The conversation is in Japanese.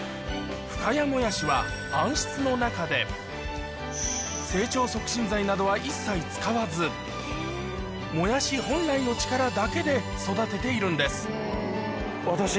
深谷もやしは暗室の中で成長促進剤などは一切使わずだけで育てているんです